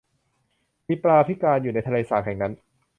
มีปลาพิการอยู่ในทะเลสาปแห่งนั้น